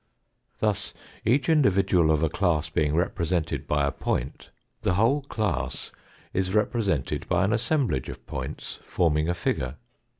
Thus, each individual of a class being represented by a point, the whole class is represented by an assemblage of points forming a figure.